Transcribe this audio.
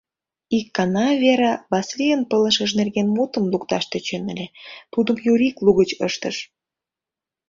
Ик гана Вера Васлийын пылышыж нерген мутым лукташ тӧчен ыле, тудым Юрик лугыч ыштыш: